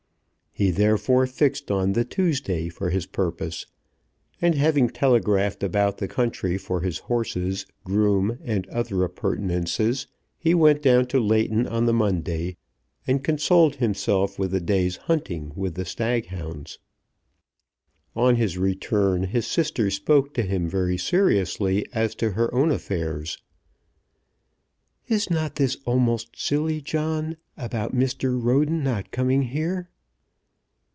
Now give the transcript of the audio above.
He therefore fixed on the Tuesday for his purpose, and having telegraphed about the country for his horses, groom, and other appurtenances, he went down to Leighton on the Monday, and consoled himself with a day's hunting with the staghounds. On his return his sister spoke to him very seriously as to her own affairs. "Is not this almost silly, John, about Mr. Roden not coming here?"